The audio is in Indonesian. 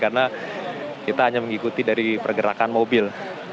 karena kita hanya mengikuti dari pergerakan mobil